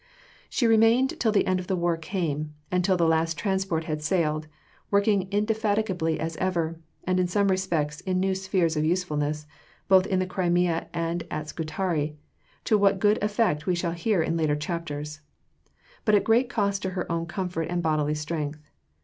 She remained till the end of the war came, and till the last transport had sailed; working indefatigably as ever, and in some respects in new spheres of usefulness, both in the Crimea and at Scutari; to what good effect we shall hear in later chapters, but at great cost to her own comfort and bodily strength.